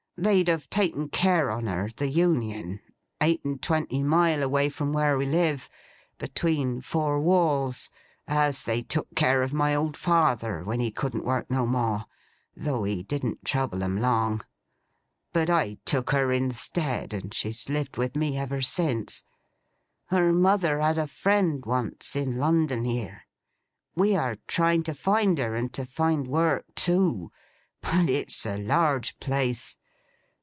They'd have taken care on her, the Union—eight and twenty mile away from where we live—between four walls (as they took care of my old father when he couldn't work no more, though he didn't trouble 'em long); but I took her instead, and she's lived with me ever since. Her mother had a friend once, in London here. We are trying to find her, and to find work too; but it's a large place.